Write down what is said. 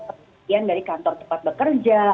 kemudian dari kantor tempat bekerja